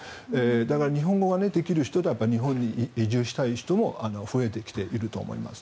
だから日本語ができる人は日本に移住したい人は増えていると思いますね。